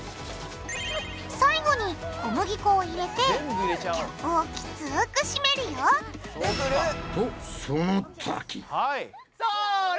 最後に小麦粉を入れてキャップをきつくしめるよそれ！